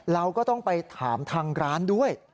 เราก็ต้องไปถามทางร้านด้วย